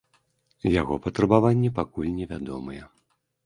Яго патрабаванні пакуль невядомыя.